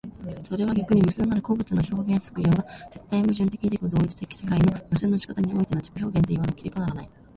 それは逆に無数なる個物の表現作用が絶対矛盾的自己同一的世界の無数の仕方においての自己表現といわなければならない。